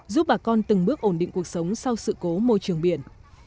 giúp bà con từng bước ổn định cuộc sống sau sự cố môi trường biển